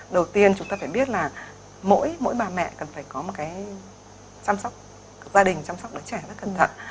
đầu tiên chúng ta phải biết là mỗi bà mẹ cần phải có một cái chăm sóc gia đình chăm sóc đứa trẻ rất cẩn thận